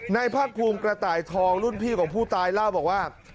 ภาคภูมิกระต่ายทองรุ่นพี่ของผู้ตายเล่าบอกว่า